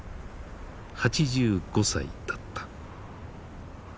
８５歳だった。